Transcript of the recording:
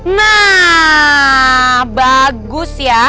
nah bagus ya